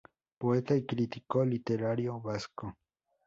Poeta y crítico literario vasco.